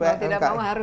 kalau tidak mau harus ya